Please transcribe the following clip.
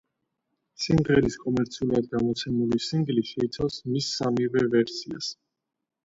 სიმღერის კომერციულად გამოცემული სინგლი შეიცავს მის სამივე ვერსიას.